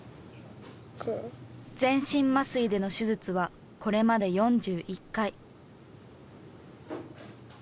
全身麻酔での手術はこれまで４１回。